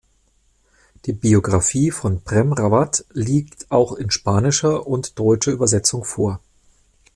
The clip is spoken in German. Die Biografie von Prem Rawat liegt auch in spanischer und deutscher Übersetzung vor.